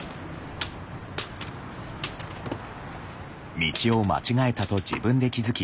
道を間違えたと自分で気付き